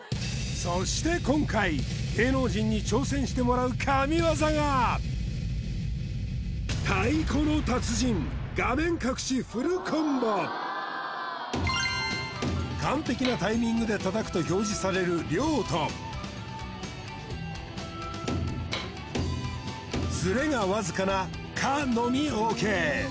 そして今回芸能人に挑戦してもらう神業が完璧なタイミングで叩くと表示される「良」とズレがわずかな「可」のみＯＫ